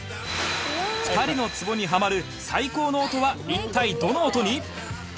２人のツボにハマる最高の音は一体どの音に！？